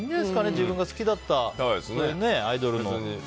自分が好きだったアイドルの。